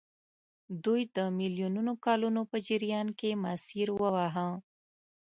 دوی د میلیونونو کلونو په جریان کې مسیر وواهه.